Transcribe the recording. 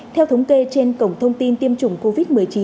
theo thống kê trên cổng thông tin tiêm chủng covid một mươi chín